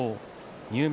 入幕